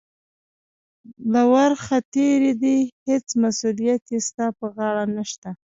له ورخه تېرې دي، هېڅ مسؤلیت یې ستا پر غاړه نشته.